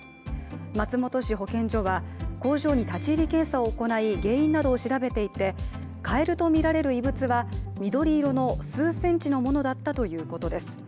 松本市保健所は工場に立入検査を行い原因などを調べていてカエルと見られる異物は緑色の数センチのものだったということです。